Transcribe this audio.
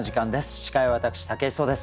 司会は私武井壮です。